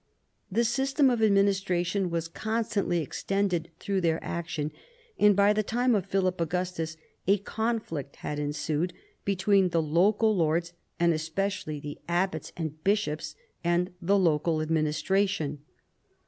The system of administration was constantly extended through their action, and by the time of Philip Augustus a conflict had ensued between the local lords, and especially the abbats and bishops, and the local administration.